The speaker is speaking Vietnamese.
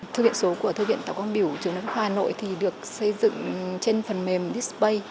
thư viện số của thư viện tạo công biểu trường đức hoa nội thì được xây dựng trên phần mềm display